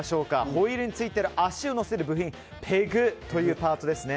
ホイールについてる足を乗せる部品ペグというパーツですね。